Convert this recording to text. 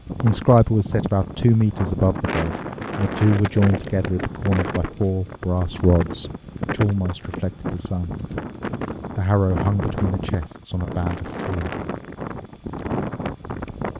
The inscriber was set about two metres above the bed, and the two were joined together at the corners by four brass rods, which almost reflected the sun. The harrow hung between the chests on a band of steel.